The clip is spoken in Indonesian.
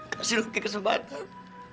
kasih lu ki kesempatan